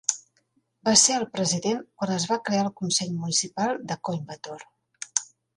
Va ser el president quan es va crear el consell municipal de Coimbatore.